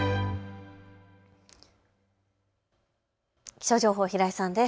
気象情報、平井さんです。